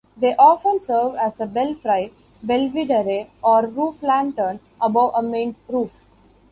They often serve as a belfry, belvedere, or roof lantern above a main roof.